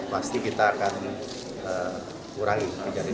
pasti kita akan kurangi kejadian pilihan ini